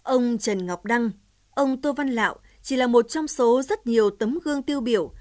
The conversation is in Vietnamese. ông trần ngọc đăng ông tô văn lạo chỉ là một trong số rất nhiều tấm gương tiêu biểu